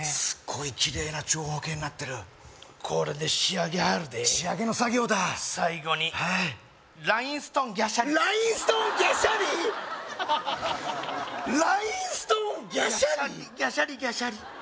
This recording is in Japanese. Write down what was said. すっごいキレイな長方形になってるこれで仕上げ入るで仕上げの作業だ最後にラインストーンギャシャリラインストーンギャシャリ！？ラインストーンギャシャリ？